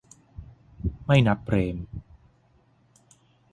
ไม่นับเปรม ?